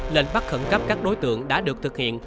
lệnh bắt khẩn cấp các đối tượng đã được thực hiện